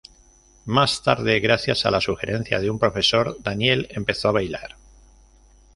Más tarde, gracias a la sugerencia de un profesor, Daniel empezó a bailar.